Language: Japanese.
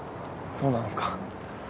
そうなんすか。